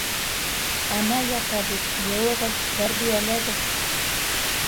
Ана ята бит: йыуығыҙ, тәрбиәләгеҙ!